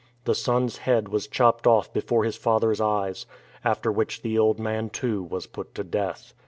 The son's head was chopped off before his father's eyes, after which the old man too was put to death.